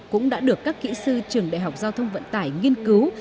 cũng đã được các kỹ sư trường đại học giao thông vận tải nghiên cứu